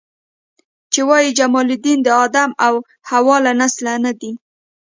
چې وایي جمال الدین د آدم او حوا له نسله نه دی.